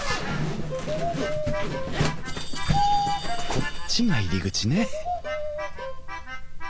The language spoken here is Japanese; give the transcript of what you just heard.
こっちが入り口ね